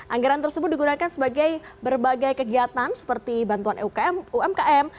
anggaran tersebut digunakan sebagai berbagai kegiatan seperti bantuan umkm